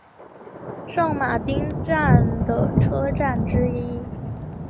圣马丁站的车站之一。